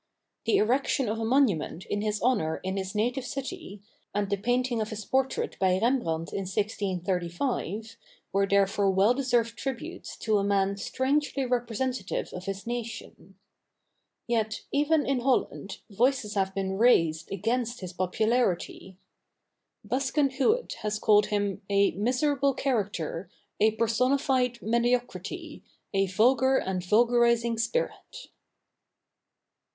The erection of a monument in his honor in his native city, and the painting of his portrait by Rembrandt in 1635, were therefore well deserved tributes to a man strangely representative of his nation. Yet, even in Holland, voices have been raised against his popularity. Busken Huet has called him "a miserable character, a personified mediocrity, a vulgar and vulgarizing spirit."